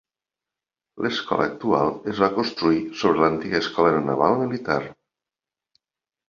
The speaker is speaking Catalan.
L'Escola actual es va construir sobre l'antiga Escola Naval Militar.